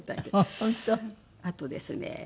あとですね